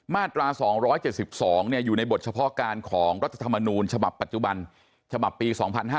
มาตรา๒๗๒อยู่ในบทเฉพาะการของรัฐธรรมนูญฉบับปัจจุบันฉบับปี๒๕๕๙